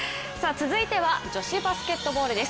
続いては、女子バスケットボールです。